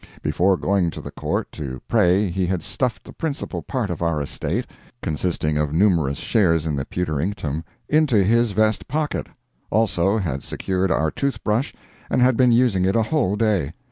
Before going to the Court to pray he had stuffed the principal part of our estate—consisting of numerous shares in the Pewterinctum—into his vest pocket; also had secured our tooth brush and had been using it a whole day.